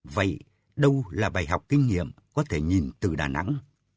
vậy đâu là bài học kinh nghiệm có thể nhìn từ đà nẵng